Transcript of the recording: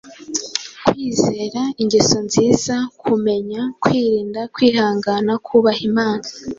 Kwizera, ingeso nziza, kumenya, kwirinda, kwihangana, kubaha Imana,